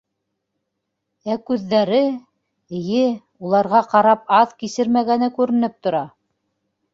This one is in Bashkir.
Ә күҙҙәре... эйе, уларға ҡарап аҙ кисермәгәне күренеп тора.